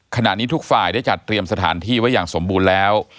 ขณะนี้ทุกฝ่ายได้จัดเตรียมสถานที่ไว้อย่างสมบูรณ์แล้ว